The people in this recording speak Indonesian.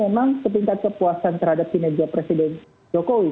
memang setingkat kepuasan terhadap kinerja presiden jokowi